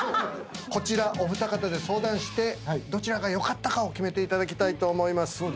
こちらお二方で相談してどちらが良かったかを決めていただきたいと思います。